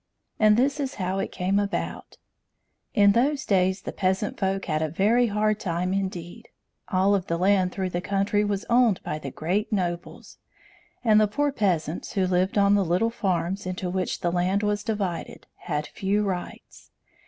And this is how it came about: in those days the peasant folk had a very hard time indeed. All of the land through the country was owned by the great nobles; and the poor peasants, who lived on the little farms into which the land was divided, had few rights.